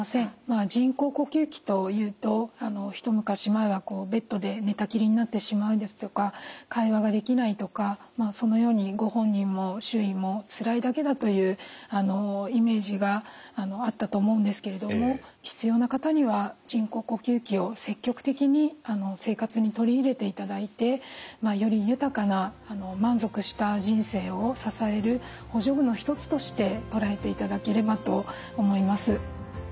人工呼吸器というと一昔前はベッドで寝たきりになってしまうですとか会話ができないとかそのようにご本人も周囲もつらいだけだというイメージがあったと思うんですけれども必要な方には人工呼吸器を積極的に生活に取り入れていただいてより豊かな満足した人生を支える補助具のひとつとして捉えていただければと思います。